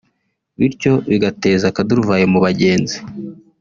bityo bigateza akaduruvayo mu bagenzi